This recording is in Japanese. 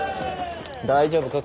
大丈夫か？